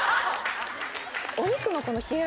お肉の。